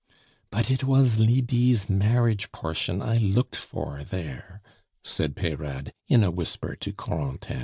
"But it was Lydie's marriage portion I looked for there!" said Peyrade, in a whisper to Corentin.